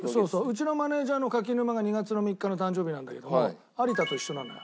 うちのマネジャーの柿沼が２月３日が誕生日なんだけども有田と一緒なのよ。